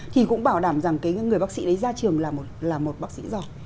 thì cũng bảo đảm rằng cái người bác sĩ đấy ra trường là một bác sĩ giỏi